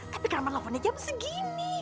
tapi karaman teleponnya jam segini